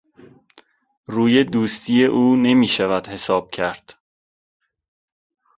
روی دوستی او نمیشود حساب کرد.